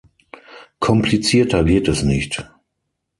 Komplizierter geht es nicht.